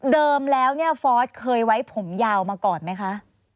เดิมแล้วเนี่ยฟอร์สเคยไว้ผมยาวมาก่อนไหมคะ